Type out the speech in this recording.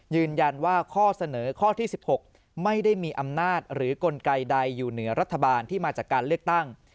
ยืนยันว่าข้อเสนอข้อที่๑๖ไม่ได้มีอำนาจหรือกลไกใดอยู่เหนือรัฐบาลที่มาจากการเลือกตั้ง